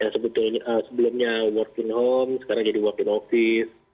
sebelumnya working home sekarang jadi work in office